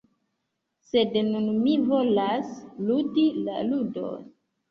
Sed nun mi volas ludi la ludon.